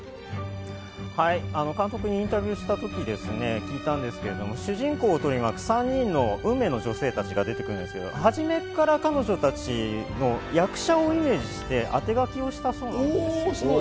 監督にインタビューした時ですね、聞いたんですけど、主人公を取り巻く３人の運命の女性たちが出てくるんですけれど、初めから彼女たちの役者をイメージして、当て書きをしたそうです。